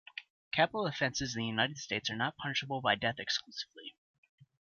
Capital offenses in the United States are not punishable by death exclusively.